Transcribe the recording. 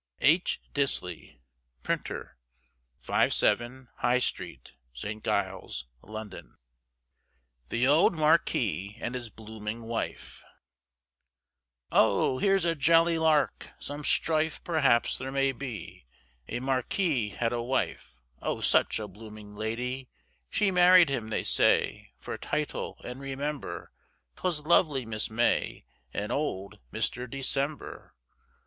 H. Disley, Printer, 57, High Street, St. Giles, London. THE OLD MARQUIS And His Blooming Wife. Oh, here's a jolly lark, Some strife perhaps there may be, A Marquis had a wife, Oh, such a blooming lady; She married him they say, For title, and remember, 'Twas lovely Miss May, And old Mister December.